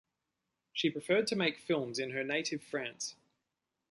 She preferred to make films in her native France.